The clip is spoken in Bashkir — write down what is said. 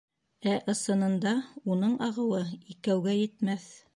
Ә ысынында, уның ағыуы икәүгә етмәҫ...